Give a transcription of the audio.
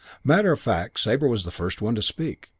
"Matter of fact Sabre was the first one to speak.